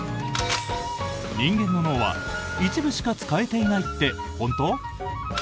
人間の脳は一部しか使えていないって本当？